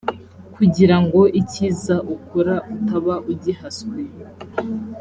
kugira ngo icyiza ukora utaba ugihaswe